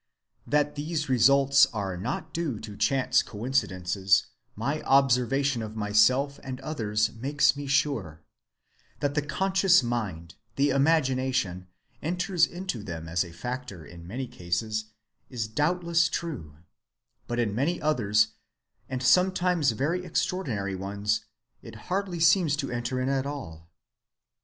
That these results are not due to chance coincidences my observation of myself and others makes me sure; that the conscious mind, the imagination, enters into them as a factor in many cases is doubtless true, but in many others, and sometimes very extraordinary ones, it hardly seems to enter in at all.